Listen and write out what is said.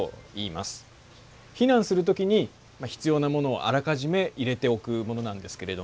避難する時に必要なものをあらかじめ入れておくものなんですけれど